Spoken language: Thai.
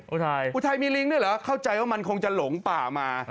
อุทัยอุทัยมีลิงด้วยเหรอเข้าใจว่ามันคงจะหลงป่ามา